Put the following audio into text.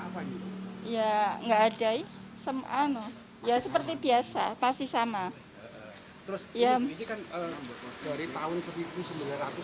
apanya ya nggak ada semuanya ya seperti biasa pasti sama terus yang ini kan dari tahun seribu sembilan ratus lima puluh